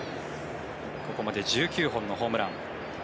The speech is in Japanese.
ここまで１９本のホームラン。